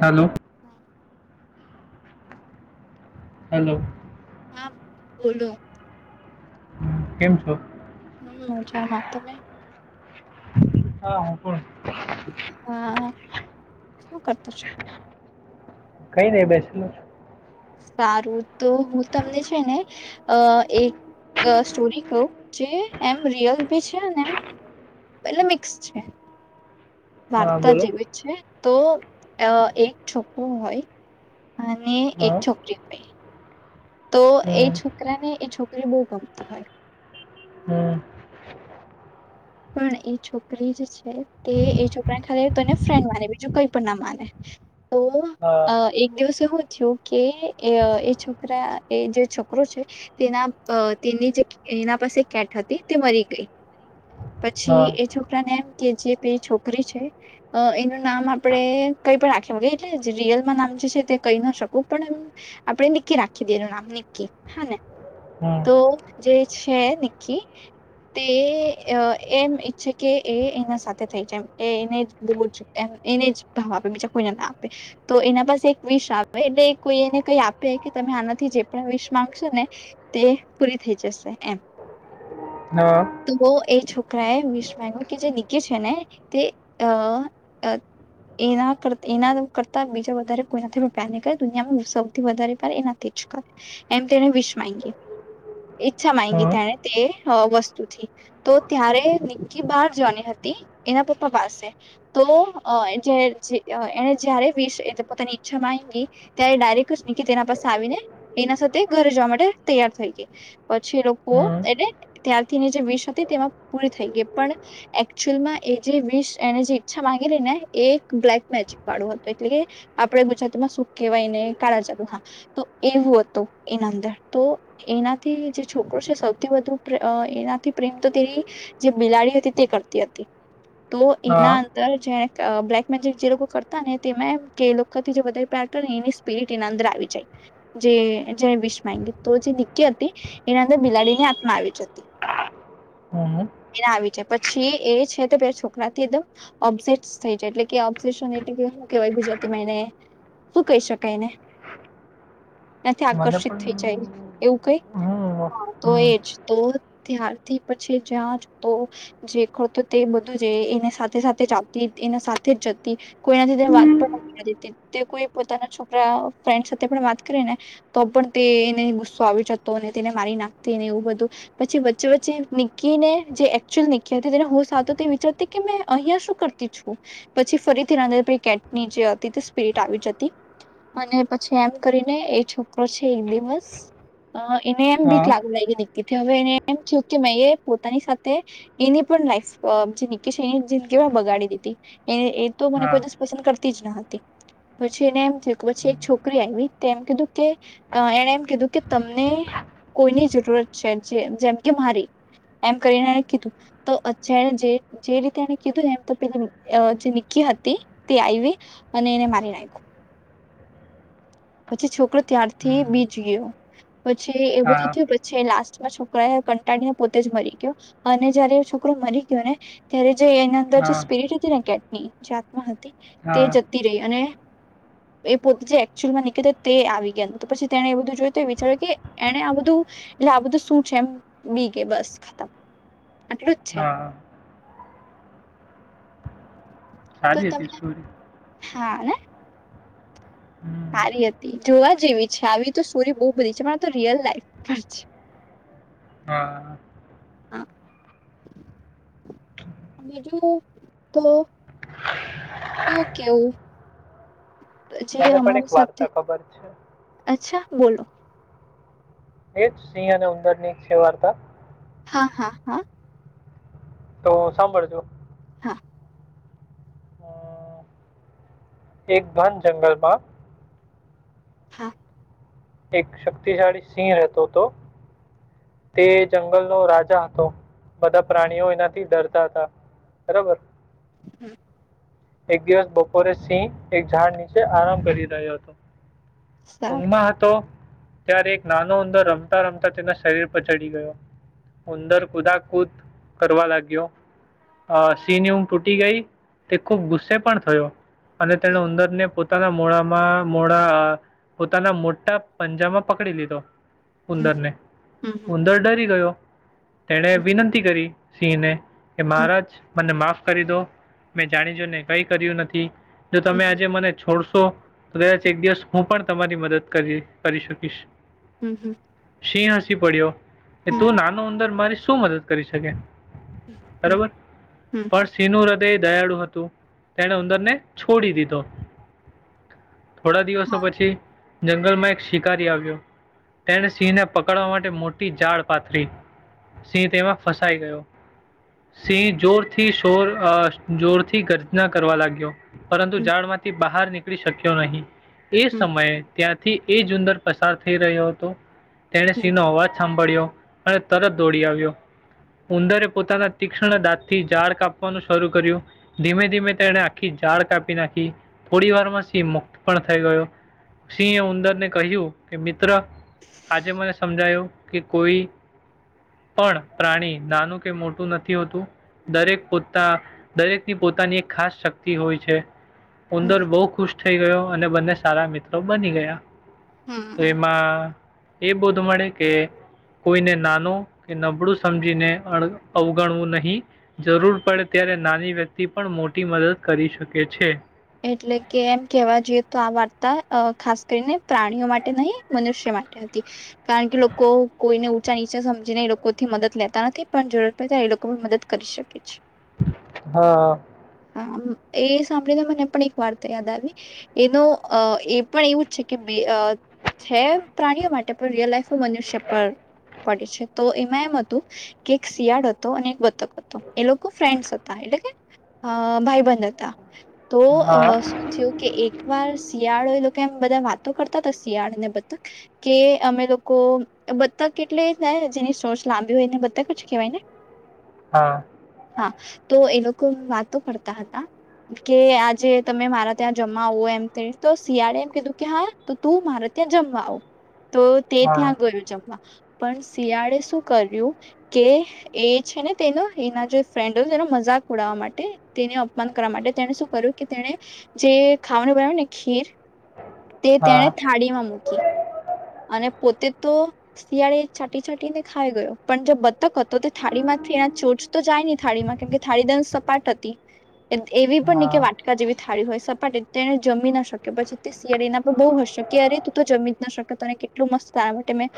Hello. હા. [unintelligible] Hello. [unintelligible] હા બોલો. કેમ છો. હમ મજામાં તમે. હા હા કોણ. હા શું કરતો છ. કઈ નઈ બેસેલ. સારું તો હું તમને છે ને એક સ્ટોરી કહું જે એમ રિયલ ભી છે અને એમ એટલે મિક્સ છે. છું હા વાર્તા બોલો જેવી જ છે. તો અ એક છોકરુ હોય અને એક હા છોકરી હોય. તો એ હમ છોકરાને એ છોકરી બહુ ગમતી હોય. હમ પણ એ છોકરી જે છે તે એ છોકરાને ખાલી તને ફ્રેન્ડ માને બીજું કઈ પણ ના માને. તો હા અ એક દિવસ એવું થયું કે એ અ છોકરા એ જે છોકરો છે તેના અ તેની જે એના પાસે કેટ હતી તે મરી ગઈ. હા પછી એ છો આપને એમ કે જે પે છોકરી છે. અ એનું નામ આપડે કઈ પણ રાખીયે. એટલે જે રિયલમાં નામ જે છે તે કહી ના શકું. પણ એમ આપણે નિકકી રાખી દઈ એનું નામ નિક્કી હા ને. હમ તો જે છે નિક્કી તે અ એમ ઈચ્છે કે એ એના સાથે થઈ જાય એમ. એ એને બહુ જ એને જ ભાવ આપે બીજા કોઈને ના આપે. તો એના પાસે એક વિશ આવે એટલે કોઈ એને કઈ આપે કે તમે આનાથી જે પણ વિશ માંગશો ને તે પૂરી થઈ જશે એમ. હા. એ છોક રાયે વીસ માંગ્યુ કે જે નિક્કી છે ને તે, અ અ એના કર એના કરતા બીજા વધારે કોઈનાથી પ્રેમ ની કરે દુનિયામાં બી સૌથી વધારે એનાથી જ કરે. એમ તેને વિષ માંગી. ઈચ્છા માંગી હમ તેને તે વસ્તુથી. તો ત્યારે નિકકી બહાર જવાની હતી. એના પપ્પા પાસે તો અ જેર જે એને જય્યારે વિશ પોતાની ઈચ્છા માંગી ત્યારે ડાયરેક્ટ નિકકી તેના પાસે આવીને એના સાથે ઘરે જવા માટે તૈયાર થઈ ગઈ. પછી એ લોકો હમ એટલે ત્યારથી એની જે વિશ હતી તેમાં પૂરી થઈ ગઈ. પણ એકચુલમાં એ જે વિશ એને જે ઈચ્છા માંગેલી ને એ એક બ્લેક મેજિક વાળો હતો. એટલે કે આપણે ગુજરાતીમાં શું કહેવાયને કાળા જાદુ. હા તો એવું હતું એના અંદર. તો એનાથી જે છોકરો છે સૌથી વધુ પ્રે અ એનાથી પ્રેમ તો તેની જે બિલાડી હતી તે કરતી હતી. તો એના હા અંદર જે ક બ્લેકમેજિક જે લોકો કરતા ને, તેમા એમ કે એ લોકોથી જે પ્યાર કરે, ને એની સ્પિરિટ એના અંદર આવી જાય. જે જે વિશ માં. તો જે નિકકી હતી એના અંદર બિલાડીની આત્મા આવી જતી હમ એ આવી જાય. પછી એ છે તો પેલા છોકરા થી એકદમ અપસેટ થઈ જાય. એટલેકે ઓપ્સેસન એટલે કે હુ કેવાય ગુજરાતીમાં એને. શું કહી શકાય એને? નથી મને આકર્ષિત થઈ પણ જાય એવું કઈ હમ હ તો હમ એજ તો ત્યારથી પછી જ્યાં જ તો જે ખરતો તે બધું જ એ એની સાથે સાથે જ આવતી. એના સાથે જ જતી. કોઈનાથી તે વાત પણ નતી કરતી. તે તે કોઈ પોતાના છોકરા ફ્રેન્ડ સાથે વાત કરી ને તો પણ તેને ગુસ્સો આવી જતો. અને તેને મારી નાખતી, એવું બધું. પછી વચ્ચે વચ્ચે ની કીને જે એકચુલ નીકી હતી. તેને હોસ આવતો તે વિચારતી કે મે અહિંયા શું કરતી છું? પછી ફરીથી [unintelligible] પેલી કેટ નીચે અતી તો સ્પિરિટ આવી જતી. અને પછી એમ કરીને એ છોકરો છે, એક દિવસ અ એને એમ બીક હા લાગુ લાગે ની કે થે હવે એને એમ થ્યું કેમેએ પોતાની સાથે એની પણ લાઈફ સ્પ જે નીકી છે એની જિંદગી પણ બગાડી દીધી એને એ તો મને હા કોઈ દિસ પસંદ કર તી જ ન હતી. પછી એને એમ થ્યું કે પછી એક છોકરી આઇવી તે એમ કીધું કે એને એમ કીધું કે તમને કોઈની જરૂરત છે. જે જેમ કે મારી એમ કરીને એ કીધું તો [unintelligible] જે જે રીતે એને કીધું એમ તો પે અ જે નિકી હતી તે આઈવી અને એને મારી નાઈખુ. પછી છોકરો ત્યારથી હમ બી ગયો પછી એ બધું હા થ્યું પછી લાસ્ટ પેલા છોકરા એ કંટાળીને પોતે જ મરી ગ્યો અને જયારે છોકરો મરી ગ્યો ને ત્યારે જે એની અંદર જે હા સ્પિરટ હતી ને કે એ જાતમાં હતી. તે હા જતી રહી અને એ પોતે જે એકચુઅલમાં નીક્કી હતી, તે આવી ગય ને તો પછી તેને એ બધું જોય તો એ વિચાર્યું કે એને આ બધું એટલે આ બધું શું છે એમ બી ગઈ બસ આટલું જ છે. હા તો સારી હતી તમને સ્ટોરી હા ને હમ હારી અતી જોવા જેવી છે. આવી તો સ્ટોરી બૌ બધી છે. પણ આતો રિયલ લાઈફ પર છે. હા બીજું તો શું કેવું? જે માને પણ અમારી એક સાથે વાર્તા ખબર છે. અચ્છા બોલો. એજ સિંહ અને ઉંદરની એક છે વાર્તા હા હા હા. તો સાંભળજો. હા. એક બન જંગલમાં. હા. એક શક્તિશાળી સિંહ રહેતો તો તે જંગલનો રાજા હતો બધા પ્રાણીઓ એનાથી ડરતા હતા બરાબર. હમ્મ. એક દિવસ બપોરે સિંહ એક ઝાડ નીચે આરામ કરી રહ્યો હતો. સારું ઊંઘમાં હતો. ત્યારે એક નાનો ઉંદર રમતા રમતા તેના શરીર પર ચડી ગયો ઉંદર કુદાકુદ કરવા લાગ્યો અ સિંહની ઊંઘ તૂટી ગઈ. ખુબ ગુસ્સે પણ થયો. અને તેને ઉંદરને પોત પોતાના મોળામાં મોડા અ પોતાના મોટા પંજામાં પકડી લીધો. હમ ઉંદરને હમ ઉંદર ડરી ગયો. તેણે હમ વિનંતી કરી. સિંહ ને કે હમ મહારાજ મને કરી દો. જાણી જોઈ ને કઈ કર્યું નથી. જો હમ તમે આજે મને છોડ તો કદાચ એક દિવસ હું પણ તમારી મદદ કરી કરી શકીશ. હમ્મ હમ્મ. સિંહ હસી પડ્યો. એ તું નાનું ઉંદર મા શું મદદ કરી શકે? હમ બરોબર હમ પણ સિંહનું રદ તે દયાળુ હત તું તેણે ઉંદરને છોડી દીધો. થોડા દિવસો હા પછી જંગલમાં એક શિકારી આવ્યો તેને સિંહને પકડવા માટે મોટી જાડ પાથરી સિંહ તેમાં ફસાઈ ગયો સિંહ જોરથી શોર અ જોર થી ગર્જના કરવા લાગ્યો. પરંતુ હમ ઝાળમાંથી બહાર નીકળી શકી યો નહીં. તે હમ સમયે ત્યાંથી એ જ ઉંદર પસાર થઈ રહ્યો હતો. તેણે હમ સિંહનો અવાજ સાંભળીયો અને તરત દોડી આવ્યો. ઉંદરે પોતાના તીક્ષ્ણ દાંત થી ઝાળ કાપવાનું શરૂ કર્યું ધીમે ધીમે તેણે આખી ઝાળ કાપી નાખી. થોડી વારમાં સિંહ મુક્ત પણ થઈ ગયો, સિંહ એ ઉંદરને કહ્યું કે મિત્ર આજે મને સમજાયો કે કોઈ પણ પ્રાણી નાનું કે મોટું નથી હોતું દરેક પોતા દરેક ની પોતાની એક ખાસ શક્તિ હોય છે. ઉંદર બહુ ખુશ થઈ ગયો. અને બંને સારા મિત્રો બની ગયા. હમ તો હમ એમાં એ બોધ મળે કે કોઈને નાનો કે નબળું સમજીને અણ અવગણવું નહીં જરૂર પડે ત્યારે નાની વ્યક્ત તી પણ મોટી મદદ કરી શકે છે. એટલે કે એમ કેવા જોઈએ તો આ વાર્તા અ ખાસ કરીને પ્રાણીઓ માટે નહી મનુષ્ય માટે હતી. કારણ કે લોકો કોઈને ઊંચા નીચા સમજીને એ લોકો મદદ લેતા નથી પણ જરૂરત પડે તા એ લોકો પણ મદદ કરી શકે છે. હા. [inaudible] એ સાંભળીને મને પણ એક વાર્તા યાદ આવી એનો અ એ પણ એવું જ છે કે મે અ છે પ્રાણીઓ માટે પણ રિયલ લાઈફ મનુષ્ય પર પડે છે. તો એમાં એમ હતું કે એક શિયાળ અતો અને એક બતક અતો એ લોકો ફ્રેન્ડસ અતા એટલે કે અ ભાઈ બંધ હતા તો અ હા શું થ્યું કે એક વાર શિયાળો એ લોકો એમ બધા વાતો કરતા હતા શિયાળ ને બત્તક કે અમે લોકો બત્તક એટલે ને જેની સોર્સ લાંબી હોયને બતક જ કેહેવાય ને. હા. હા તો એ લોકો વાતો કરતા હતા કે આજે તમે મારા ત્યાં જમવા આવો એમ થ તો શિયાળે એમ કીધું કે હા તું મારે ત્યાં જમવા આવ. તો તે ત્યાં હા ગયો જમવા પણ શિયાળે શું કર્યું કે એ છે ને તેનો એના જે ફ્રેન્ડ હોય તેનો મજાક ઉડાવવા માટે તેને અપમાન કરવા માટે તેને શું કર્યું કે તેને જે ખાવાનું બનાવ્યું ને ખીર તે હા તેણે થાળીમાં મૂકી અને પોતે તો શિયાળે છાંટી છાંટી ને ખાઈ ગયો પણ જો બ તો કત તે થાળી માથી એના ચોચ તો જાય ન થાળીમાં કેમ કે થાળીદ સપાટ હતી એ હા નીચે વાટકા જેવી થાળી હોય છ સપાટી તેને જમી ના શકે પછી શિયાળ ના પણ બઉ હશે કેયારે તું તો જમી જ ના શક તને કેટલું મસ્ તાર માટે મેં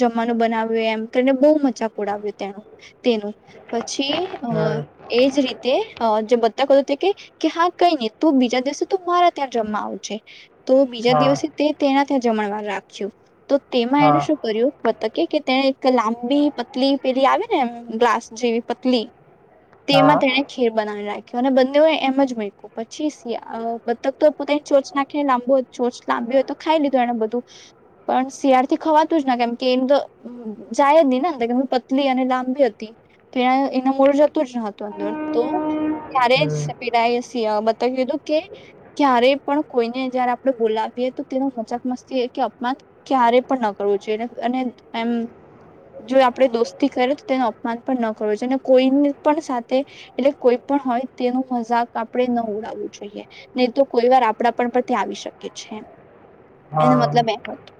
જમવાનું બનાવ્યું એમ કરીને બહુ મજાક ઉડાવ્યું તેનું. તેનું પછી અ હમ એજ રીતે અ જે બ [unintelligible] કે હા કઈ નહી તું બીજા દિવસે તો મારા ત્યાં જમવા આવજે. તો બીજા હા દિવસે તે તેના જમણવાર રાખ્યું. તો તેમાં એને હા શું કર્યું કે કે તેને એક લાંબી પતલી પેલી આવે ને એ ગ્લાસ જેવી પતલી તેમાં હા તેને ખીર બનાવી રાખી કે અને બંને એમ [unintelligible] બતક તો પોતા ચોચ નાખીને લાંબો ચોચ લાંબી હોય તો ખાઈ લીધું એને બધું પણ શિયાળ થી ખવાતું જ ના કેમ કે એને તો જાય જ નને અર કે પતલી અને લાંબી હતી તો એ એના મોડ જતું જ ન હતું અંદર તો ત્યારે હમ બતાવીધું કે ક્યારે પણ કોઈને જયારે આપણે બોલાવીએ તો તેનું મજાક મસ્તી કે અપમાન ક્યારે પણ ન કરવું જોઈએ એ અને એમ જો આપણે દોસ્તી કરએ તો તેનું અપમાન પણ ન કરવું જોઈએ અને કોઈની પણ સાથે એટલે કોઈ પણ હોય તેનું મજાક આપણે ન ઉડાવવું જોઈએ નહી તો કોઈ વાર આપડા પણ પર ત્યાં આવી શકે છે. એનો હા મતલબ એ હતો.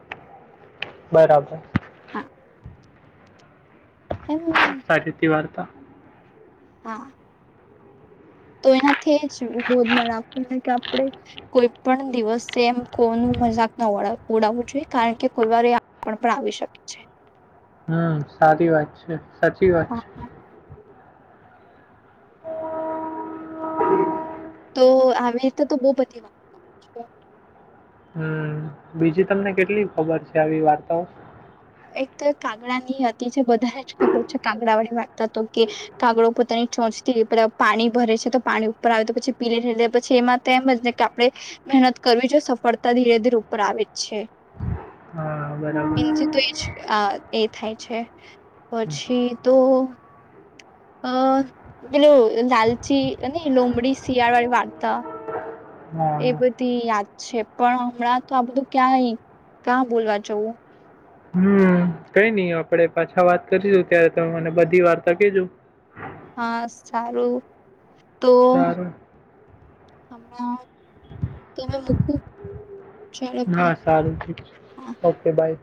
બરાબર. હા એમ સારી હતી વાર્તા. હા. તો એનાથી જ બોધ મ આપતો કે આપણે કોઈ પણ દિવસે એમ કોનું મજાક ના ઉડાવવું જોઈએ કારણ કે કોઈ વાર એ પણ આવી શકે છે. હમ સારી વાત છે. સાચી વાત છે. હા તો આવી રીતે તો બહ બધી વાતતા છે. હમ બીજી તમને કેટલી ખબર છે, આવી વાર્તાઓ? એક તો કાગડા ની હતી જે બધા જ ખબર છે કાગડા વાળી વાતતા તો કે કાગડો પોતાની ચોંચથી પ પાણી ભરે છે તો પાણી ઉપર આવે તો પછી પીલે પછી એમાં જ ને કે આપણે મહેનત કરવી જોઈએ સફળતા ધીરે ધીરે ઉપર આવે જ છે. [inaudible] હા બરાબર તો એ જ એ થાય છે પછી તો. અ બેલોું લાલચી અને લુંમડી શિયાળ વાળ વાર્તા. હા એ બધી યાદ છે પણ હમણાં તો આ બધું ક્યાંય કાં બોલવા જવું. હમ કઈ નઈ આપડે પાછા વાત કરીશું ત્યારે ત મને બધી વાર્તા કેજો. બસ સારું. તો સારું. હમણાં તમે મકુ. હા સારું ઓકે બાય.